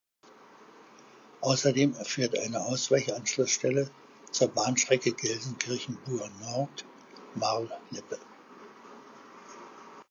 Außerdem führt eine Ausweichanschlussstelle zur Bahnstrecke Gelsenkirchen-Buer Nord–Marl Lippe.